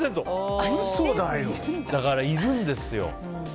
だからいるんですよ。